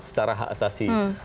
secara hak asasi